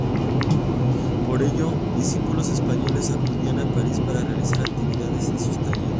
Por ello, discípulos españoles acudían a París para realizar actividades en sus talleres.